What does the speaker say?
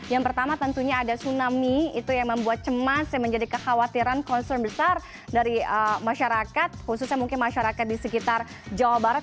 yang pertama tentunya ada tsunami itu yang membuat cemas yang menjadi kekhawatiran concern besar dari masyarakat khususnya mungkin masyarakat di sekitar jawa barat